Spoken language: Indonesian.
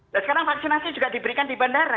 dan sekarang vaksinasi juga diberikan di bandara